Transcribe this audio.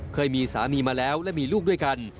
เคยมีสามีมาแล้วและมีลูกด้วยกัน